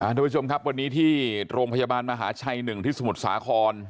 ทุกผู้ชมครับวันนี้ที่โรงพยาบาลมหาชัย๑ที่สมุทรสาคร